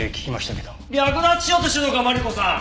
略奪しようとしてるのかマリコさん！